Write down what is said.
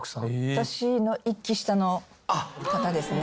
私の一期下の方ですね。